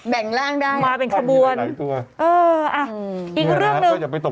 ต้องมีกับหลายตัว